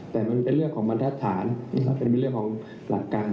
แต่มันเป็นเรื่องของบรรทัศน์เป็นเรื่องของหลักการ